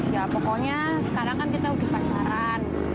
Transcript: ya pokoknya sekarang kan kita udah pacaran